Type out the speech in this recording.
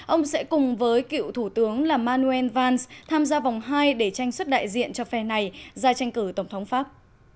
ông sẽ cùng với cựu thủ tướng là manuel vans tham gia vòng hai để tranh xuất đại diện cho phe này ra tranh cử tổng thống pháp